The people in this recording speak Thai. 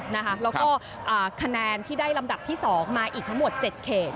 แล้วก็คะแนนที่ได้ลำดับที่๒มาอีกทั้งหมด๗เขต